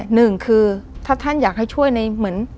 หนึ่งคือถ้าท่านอยากให้ช่วยในเหมือน